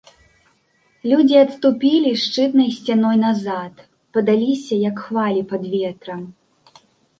Людзі адступілі шчытнай сцяной назад, падаліся, як хвалі пад ветрам.